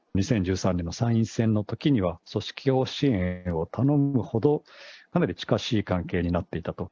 ２０１３年の参院選のときには、組織票の支援を頼むほど、かなり近しい関係になっていたと。